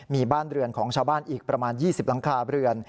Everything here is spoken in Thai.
มีบ้านเรือนของชาวบ้านอีกประมาณ๒๐หลังคาเรือน